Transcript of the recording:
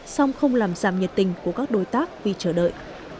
song không làm giảm nhiệt tình của các đối tác vì chờ đợi